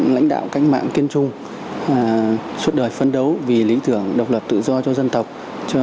lãnh đạo cách mạng kiên trung suốt đời phấn đấu vì lý tưởng độc lập tự do cho dân tộc